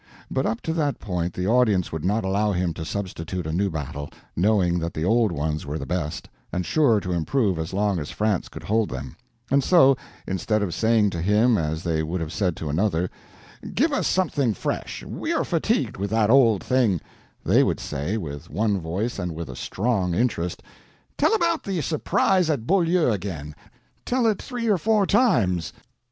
But up to that point the audience would not allow him to substitute a new battle, knowing that the old ones were the best, and sure to improve as long as France could hold them; and so, instead of saying to him as they would have said to another, "Give us something fresh, we are fatigued with that old thing," they would say, with one voice and with a strong interest, "Tell about the surprise at Beaulieu again—tell it three or four times!"